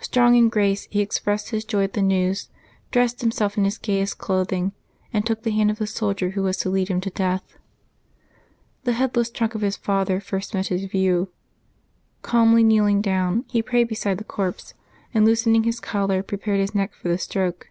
Strong in grace, he expressed his joy at the news, dressed himself in his gayest clothing, and took the hand of the soldier who was to lead him to death. The headless trunk of his father first met his view ; calmly kneeling down, he prayed beside the corpse, and, loosening his collar, pre pared his neck for the stroke.